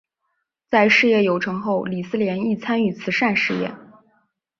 在事业有成后李思廉亦参与慈善事业。